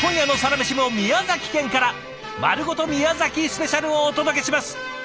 「まるごと宮崎スペシャル！」をお届けします！